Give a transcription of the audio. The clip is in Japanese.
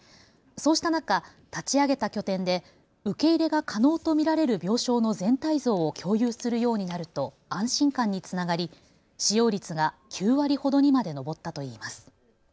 そうした中、立ち上げた拠点で受け入れが可能と見られる病床の全体像を共有するようになると安心感につながり使用率が９割ほどにまで上ったといいます。